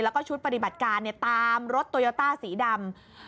แล้วก็ชุดปฏิบัติการตามรถโตโยต้าสีดำ